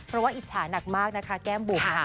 เพราะว่าอิจฉาหนักมากนะคะแก้มบุ๋ม